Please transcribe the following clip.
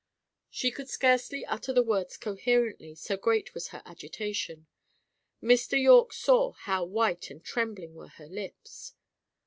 She could scarcely utter the words coherently, so great was her agitation. Mr. Yorke saw how white and trembling were her lips.